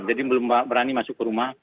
jadi belum berani masuk ke rumah